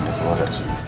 dikeluar dari sini